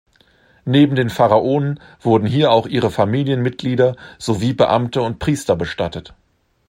Neben den Pharaonen wurden hier auch ihre Familienmitglieder sowie Beamte und Priester bestattet.